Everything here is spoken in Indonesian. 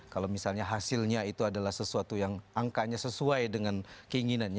kalau misalnya hasilnya itu adalah sesuatu yang angkanya sesuai dengan keinginannya